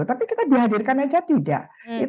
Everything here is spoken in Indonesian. tapi kita dihadirkan saja tidak